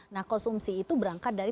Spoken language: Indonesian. nah konsumsi itu berangkat dari